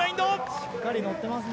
しっかり乗っていますね。